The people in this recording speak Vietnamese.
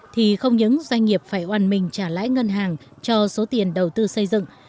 thì không những doanh nghiệp phải oàn mình trả lãi ngân hàng cho số tiền đầu tư xây dựng